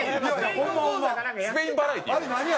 スペインバラエティ？